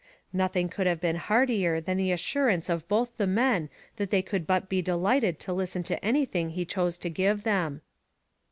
Nothing could have been heartier than the assurance of both the men that they could but be delighted to listen to anything he chose to give them.